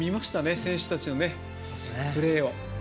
選手たちのプレーを。